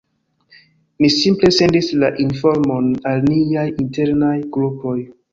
Ni simple sendis la informon al niaj "internaj" grupoj.